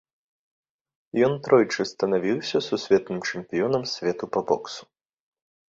Ён тройчы станавіўся сусветным чэмпіёнам свету па боксу.